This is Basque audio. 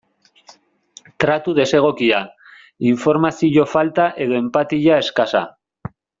Tratu desegokia, informazio falta edo enpatia eskasa.